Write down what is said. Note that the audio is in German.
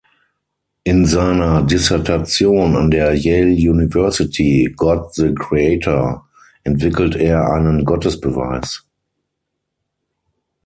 In seiner Dissertation an der Yale University, „God the Creator“, entwickelt er einen Gottesbeweis.